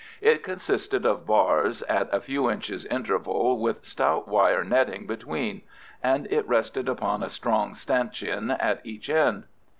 It consisted of bars at a few inches' interval, with stout wire netting between, and it rested upon a strong stanchion at each end.